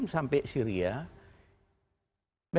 dari orang orang yang berangkat ke syria